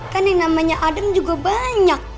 kan yang namanya adem juga banyak